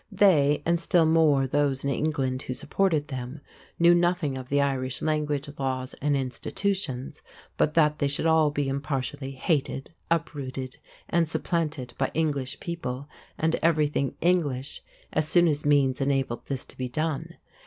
They, and still more those in England who supported them, knew nothing of the Irish language, laws, and institutions but that they should all be impartially hated, uprooted, and supplanted by English people and everything English as soon as means enabled this to be done.